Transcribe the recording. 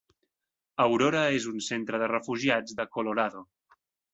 Aurora és un centre de refugiats de Colorado.